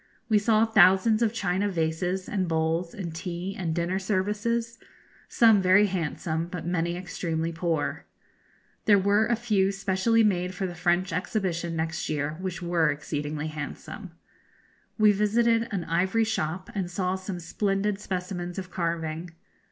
We saw thousands of china vases, and bowls, and tea and dinner services, some very handsome, but many extremely poor. There were a few specially made for the French Exhibition next year, which were exceedingly handsome. We visited an ivory shop, and saw some splendid specimens of carving.